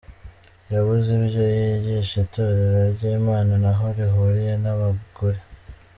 Yabuze ibyo yigisha, itorero ry’ Imana ntaho rihuriye n’ abagore.